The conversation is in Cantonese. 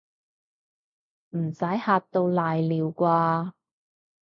唔使嚇到瀨尿啩